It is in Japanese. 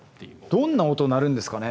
どんな音鳴るんですかね？